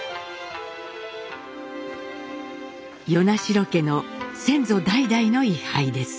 与那城家の先祖代々の位はいです。